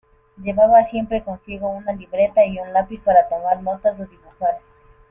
Llevaba siempre consigo una libreta y un lápiz para tomar notas o dibujar.